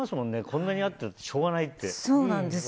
こんなにあったってしょうがないって。